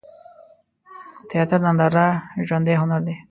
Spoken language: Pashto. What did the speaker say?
د تیاتر ننداره ژوندی هنر دی.